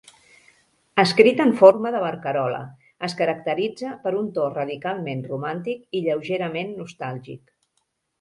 Escrit en forma de barcarola, es caracteritza per un to radicalment romàntic i lleugerament nostàlgic.